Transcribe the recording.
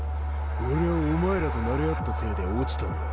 俺はお前らとなれ合ったせいで落ちたんだ。